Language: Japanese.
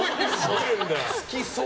好きそう。